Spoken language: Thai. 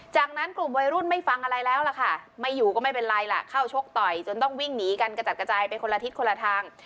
จากนั้นกลุ่มวัยรุ่นไม่ฟังอะไรแล้วล่ะค่ะไม่อยู่ก็ไม่เป็นไรล่ะเข้าชกต่อยจนต้องวิ่งหนีกันกระจัดกระจายไปคนละทิศคนละทาง